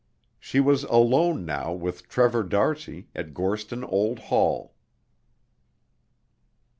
She was alone now with Trevor d'Arcy, at Gorston Old Hall.